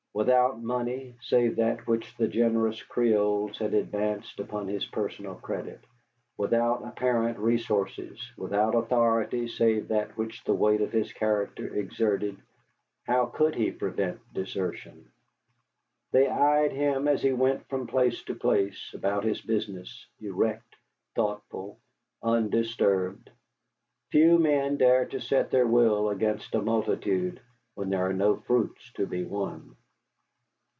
Without money, save that which the generous Creoles had advanced upon his personal credit; without apparent resources; without authority, save that which the weight of his character exerted, how could he prevent desertion? They eyed him as he went from place to place about his business, erect, thoughtful, undisturbed. Few men dare to set their will against a multitude when there are no fruits to be won.